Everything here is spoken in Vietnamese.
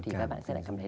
thì các bạn sẽ cảm thấy